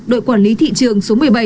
đội quản lý thị trường số một mươi bảy